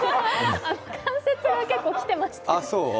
関節が結構きてまして。